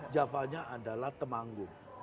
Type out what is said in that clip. java nya adalah temanggung